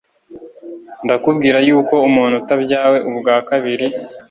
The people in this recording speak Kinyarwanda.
ndakubwira yuko umuntu utabyawe ubwa kabiri,